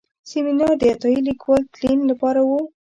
سیمینار د عطایي لیکوال تلین لپاره و.